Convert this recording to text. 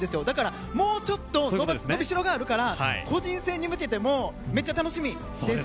だからもうちょっと伸びしろがあるから個人戦に向けてもめっちゃ楽しみ。